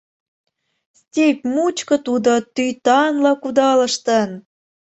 Степь мучко тудо тӱтанла кудалыштын.